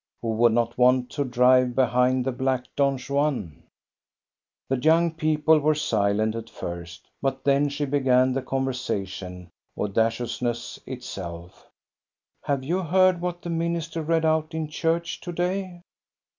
Who would not want to drive behind the black Don Juan? The young people were silent at first, but then she began the conversation, audaciousness itself. COSTA BERLING, POET 69 " Have you heard what the minister read out in church to day?"